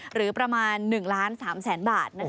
หรือประมาณ๑๓ล้านบาท